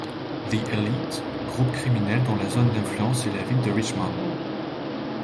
The Elite: groupe criminel dont la zone d'influence est la ville de Richmond.